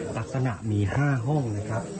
ลักษณะมี๕ห้องนะครับ